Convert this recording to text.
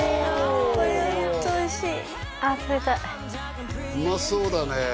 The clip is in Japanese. これはホントおいしいあっ食べたいうまそうだね